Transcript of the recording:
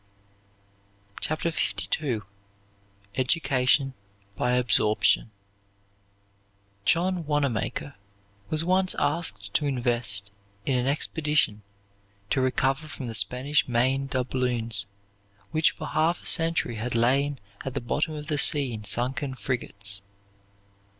CHAPTER LII EDUCATION BY ABSORPTION John Wanamaker was once asked to invest in an expedition to recover from the Spanish Main doubloons which for half a century had lain at the bottom of the sea in sunken frigates.